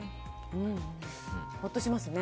ほっとしますね。